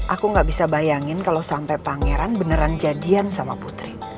aku gak bisa bayangin kalau sampai pangeran beneran jadian sama putri